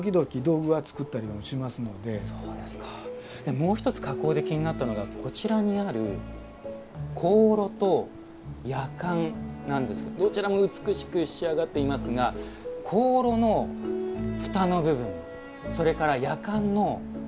もう一つ加工で気になったのがこちらにある香炉と薬缶なんですけどどちらも美しく仕上がっていますが香炉の蓋の部分それから薬缶のつまみの部分。